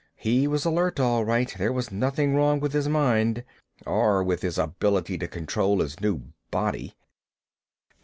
He was alert, all right; there was nothing wrong with his mind. Or with his ability to control his new body.